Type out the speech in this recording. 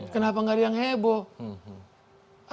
kenapa nggak ada yang heboh